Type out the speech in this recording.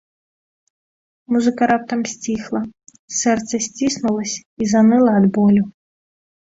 Музыка раптам сціхла, сэрца сціснулася і заныла ад болю.